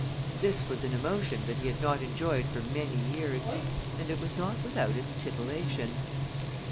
This was an emotion that he had not enjoyed for many years, and it was not without its titillation.